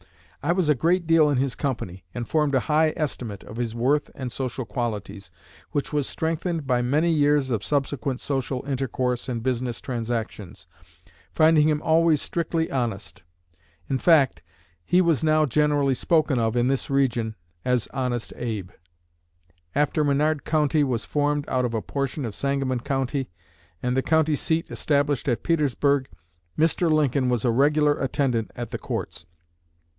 I was a great deal in his company, and formed a high estimate of his worth and social qualities, which was strengthened by many years of subsequent social intercourse and business transactions, finding him always strictly honest. In fact, he was now generally spoken of in this region as 'Honest Abe.' After Menard County was formed out of a portion of Sangamon County, and the county seat established at Petersburg, Mr. Lincoln was a regular attendant at the courts.